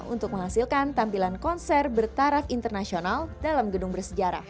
untuk menghasilkan tampilan konser bertaraf internasional dalam gedung bersejarah